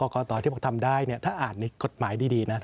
๖ข้อของกรกตที่ผมทำได้ถ้าอ่านในกฎหมายดีนะ